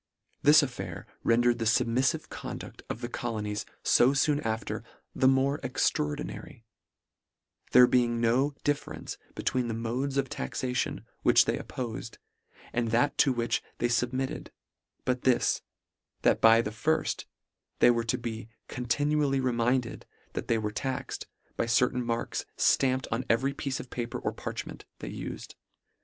This affair rendered the fubmiffive conduit of the colonies fo foon after, the more extraordinary ; there being no differ ence between the modes of taxation which they oppofed, and that to which they fub mitted, but this, that by the firft, they were to be continually reminded that they were taxed, by certain marks ftampt on every piece of paper or parchment, they ufed.